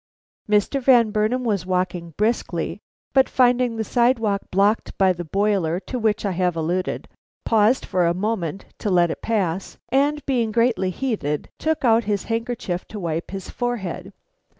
Mr. Van Burnam was walking briskly, but finding the sidewalk blocked by the boiler to which I have alluded, paused for a moment to let it pass, and being greatly heated, took out his handkerchief to wipe his forehead.